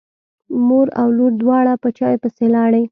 مور او لور دواړه په چای پسې لاړې.